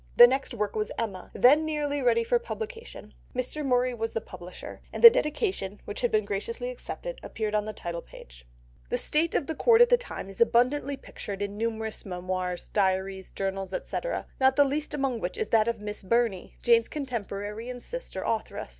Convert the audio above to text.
The next work was Emma, then nearly ready for publication. Mr. Murray was the publisher, and the dedication, which had been graciously accepted, appeared on the title page. [Illustration: THE GARDEN OF CARLTON HOUSE] The state of the Court at that time is abundantly pictured in numerous memoirs, diaries, journals, etc., not the least among which is that of Miss Burney, Jane's contemporary and sister authoress.